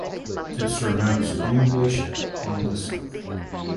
It surmounts Green Glacier on the south.